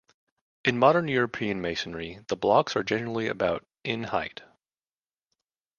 In modern European masonry the blocks are generally about in height.